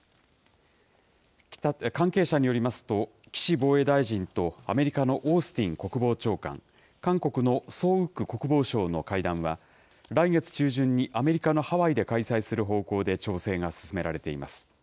関係者によりますと、岸防衛大臣とアメリカのオースティン国防長官、韓国のソ・ウク国防相の会談は、来月中旬にアメリカのハワイで開催する方向で調整が進められています。